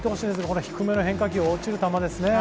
低めの変化球、落ちる球ですね。